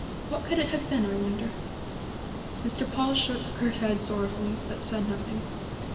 What could it have been, I wonder?" Sister Paul shook her head sorrowfully, but said nothing.